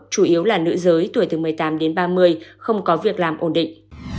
chủ yếu là nữ giới tuổi từ một mươi tám đến ba mươi không có việc làm ổn định